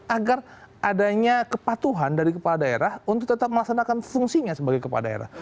agar adanya kepatuhan dari kepala daerah untuk tetap melaksanakan fungsinya sebagai kepala daerah